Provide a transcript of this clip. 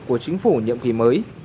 của chính phủ nhiệm kỳ mới